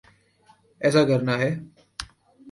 ایسا کرنا ہے۔